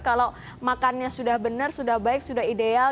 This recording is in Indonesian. kalau makannya sudah benar sudah baik sudah ideal